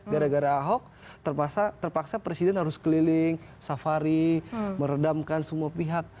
gara gara ahok terpaksa presiden harus keliling safari meredamkan semua pihak